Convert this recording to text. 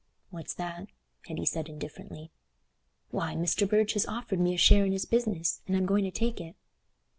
"What's that?" Hetty said indifferently. "Why, Mr. Burge has offered me a share in his business, and I'm going to take it."